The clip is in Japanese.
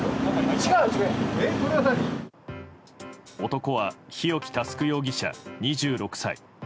男は、日置佑容疑者、２６歳。